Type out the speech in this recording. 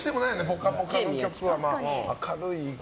「ぽかぽか」の曲は。